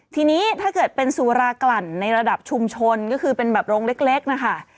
ทีนี้ถ้าเกิดเป็นสุรากลั่นในระดับชุมชนก็คือเป็นแบบโรงเล็กนะคะ